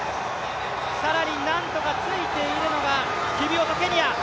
更になんとかついているのがキビウォット、ケニア。